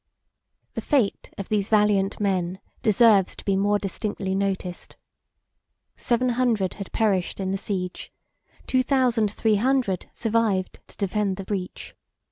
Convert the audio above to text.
The fate of these valiant men deserves to be more distinctly noticed. Seven hundred had perished in the siege, two thousand three hundred survived to defend the breach.